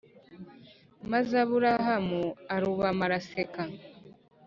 Maze Aburahamu arubama araseka